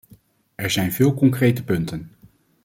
Er zijn veel concrete punten.